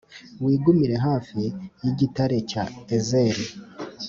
wigumire hafi y’igitare cya Ezeli.